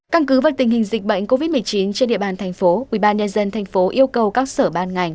căn cứ vật tình hình dịch bệnh covid một mươi chín trên địa bàn thành phố ủy ban nhân dân thành phố yêu cầu các sở ban ngành